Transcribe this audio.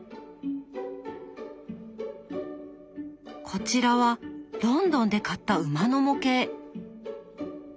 こちらはロンドンで買った馬の模型。